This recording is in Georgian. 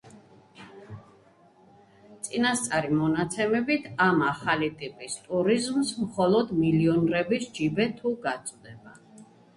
წინასწარი მონაცემებით, ამ ახალი ტიპის ტურიზმს მხოლოდ მილიონრების ჯიბე თუ გაწვდება.